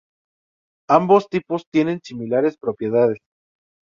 Ambos tipos tienen similares propiedades.